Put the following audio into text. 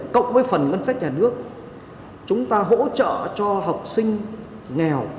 cộng với phần ngân sách nhà nước chúng ta hỗ trợ cho học sinh nghèo